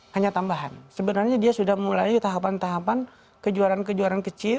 hanya tambahan sebenarnya dia sudah mulai tahapan tahapan kejuaraan kejuaraan kecil